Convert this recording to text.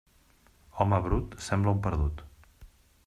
Home brut, sembla un perdut.